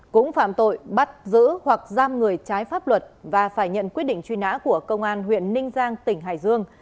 cũng phạm tội bắt giữ hoặc giam người trái pháp luật và phải nhận quyết định truy nã của công an huyện ninh giang tỉnh hải dương